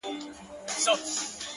• د ښوونکو جامې نه وي د چا تن کي ,